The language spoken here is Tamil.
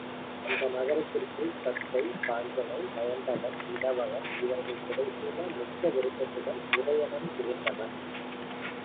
அந்த நகரத்திற்குள் தத்தை, காஞ்சனை, வயந்தகன், இடவகன் இவர்கள் புடைசூழ மிக்க விருப்பத்துடன் உதயணன் புகுந்தனன்.